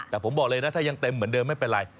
แต่ผมบอกเลยนะถ้ายังเต็มเหมือนเดิมไม่เป็นไร